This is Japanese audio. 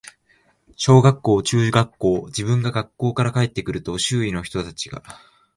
小学校、中学校、自分が学校から帰って来ると、周囲の人たちが、